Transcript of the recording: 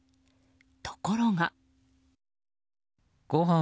ところが。